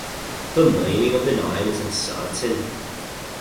The meaning of the name is uncertain.